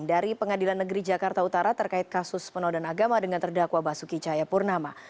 dari pengadilan negeri jakarta utara terkait kasus penodan agama dengan terdakwa basuki cahayapurnama